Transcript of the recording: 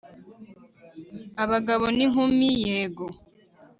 abagabo n'inkumi - yego